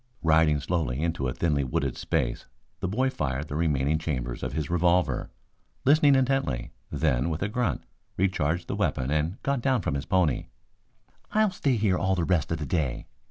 Riding slowly into a thinly wooded space the boy fired the remaining chambers of his revolver, listening intently, then, with a grunt, recharged the weapon and got down from his pony. "I'll stay here all the rest of the day.